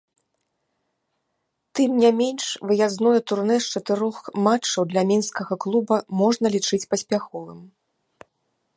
Тым не менш выязное турнэ з чатырох матчаў для мінскага клуба можна лічыць паспяховым.